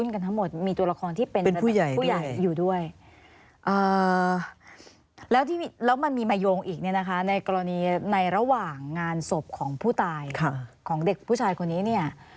กลอนนี้ในระหว่างงานศพของผู้ตายของเด็กผู้ชายคนนี้